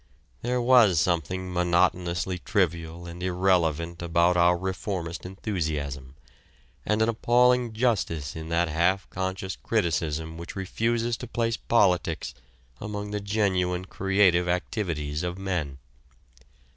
There was something monotonously trivial and irrelevant about our reformist enthusiasm, and an appalling justice in that half conscious criticism which refuses to place politics among the genuine, creative activities of men.